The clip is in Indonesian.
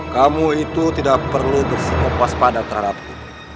kamu itu tidak perlu bersikap waspada terhadapku